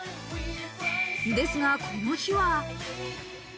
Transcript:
ですが、この日は。